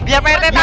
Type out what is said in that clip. biar pak retek tau